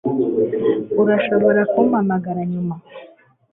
Urashobora kumpamagara nyuma